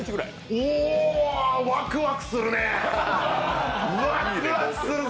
おー、ワクワクするぜ！